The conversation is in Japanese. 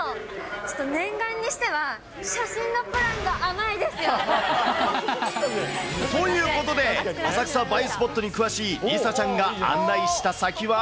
ちょっと念願にしては、写真のプランが甘いですよ。ということで、浅草映えスポットに詳しい梨紗ちゃんが案内した先は。